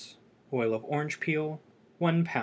Oil of orange peel 1 lb.